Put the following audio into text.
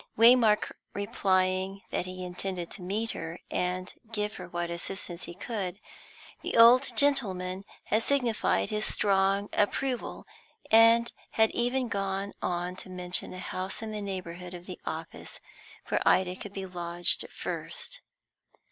Waymark replying that he intended to meet her, and give her what assistance he could, the old gentleman had signified his strong approval, and had even gone on to mention a house in the neighbourhood of the office, where Ida could be lodged at first.